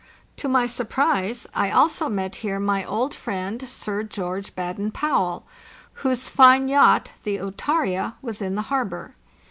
To my surprise, I also met here my old friend Sir George Baden Powell, whose fine yacht, the O¢arza, was in the harbor.